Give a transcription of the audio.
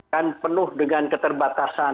kan penuh dengan keterbatasan